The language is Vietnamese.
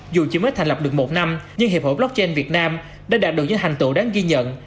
dù chỉ mới thành lập được một năm nhưng hiệp hội blockchain việt nam đã đạt được những hành tựu đáng ghi nhận